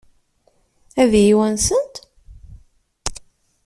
Ad iyi-wansent?